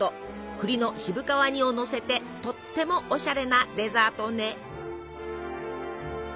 栗の渋皮煮をのせてとってもおしゃれなデザートね。